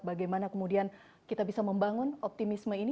bagaimana kemudian kita bisa membangun optimisme ini